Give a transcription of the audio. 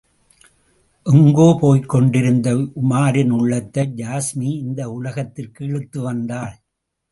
எங்கோ போய்க் கொண்டிருந்த உமாரின் உள்ளத்தை யாஸ்மி இந்த உலகத்திற்கு இழுத்து வந்தாள்.